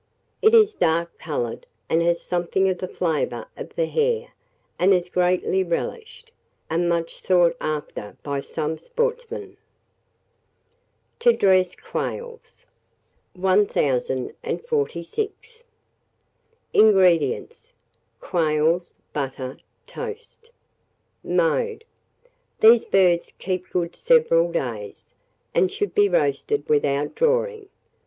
It is dark coloured, and has something of the flavour of the hare, and is greatly relished, and much sought after by some sportsmen. [Illustration: THE PTARMIGAN.] TO DRESS QUAILS. 1046. INGREDIENTS. Quails, butter, toast. Mode. These birds keep good several days, and should be roasted without drawing.